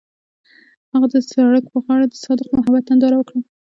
هغوی د سړک پر غاړه د صادق محبت ننداره وکړه.